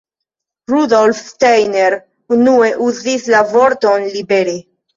Rudolf Steiner unue uzis la vorton libere.